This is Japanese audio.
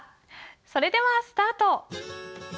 それではスタート。